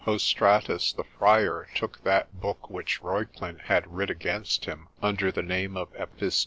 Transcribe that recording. Hostratus the friar took that book which Reuclin had writ against him, under the name of Epist.